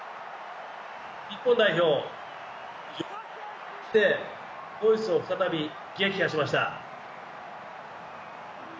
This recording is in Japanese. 日本代表４−１でドイツを再び撃破しました。